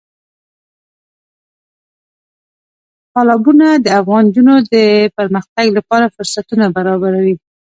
تالابونه د افغان نجونو د پرمختګ لپاره فرصتونه برابروي.